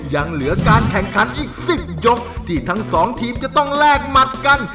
ยังเหลือการแข่งขันอีก๑๐ยกที่ทั้งสองทีมจะต้องแลกหมัดกัน